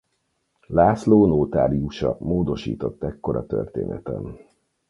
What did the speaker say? László nótáriusa módosított ekkor a történeten.